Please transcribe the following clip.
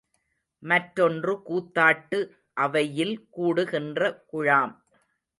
மற்றொன்று கூத்தாட்டு அவையில் கூடுகின்ற குழாம்.